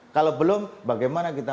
kalau belum bagaimana kita